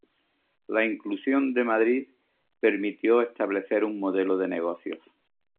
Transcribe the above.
La inclusión de Madrid permitió establecer un modelo de negocios.